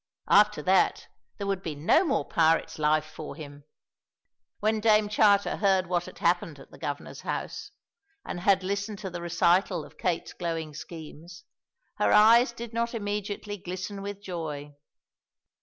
After that, there would be no more pirate's life for him!" When Dame Charter heard what had happened at the Governor's house and had listened to the recital of Kate's glowing schemes, her eyes did not immediately glisten with joy.